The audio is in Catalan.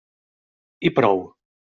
I prou.